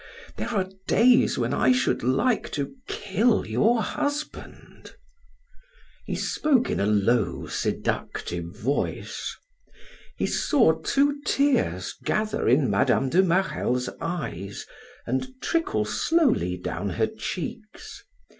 There are days when I should like to kill your husband." He spoke in a low, seductive voice. He saw two tears gather in Mme. de Marelle's eyes and trickle slowly down her cheeks.